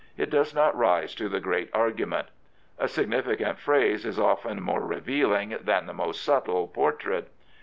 It does not rise to the great argument. A significant phrase is often more revealing than the most subtle portrait.